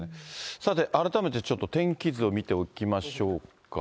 さて、改めてちょっと天気図を見ておきましょうか。